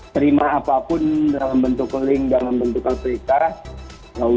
terima apapun dalam bentuk link dalam bentuk aplikasi